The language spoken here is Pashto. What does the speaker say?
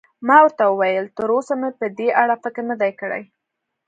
ما ورته وویل: تراوسه مې په دې اړه فکر نه دی کړی.